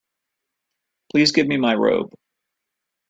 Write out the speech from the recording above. Please give me my robe.